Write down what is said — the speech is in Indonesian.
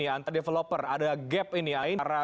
antar developer ada gap ini ya